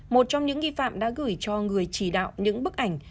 một trong những nghi phạm đã gửi cho người chỉ đạo những bức ảnh